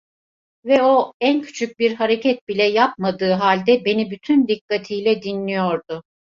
Ve o, en küçük bir hareket bile yapmadığı halde, beni bütün dikkatiyle dinliyordu.